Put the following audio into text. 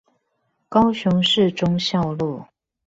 高雄市忠孝路